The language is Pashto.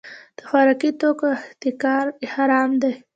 د خوراکي توکو احتکار حرام دی.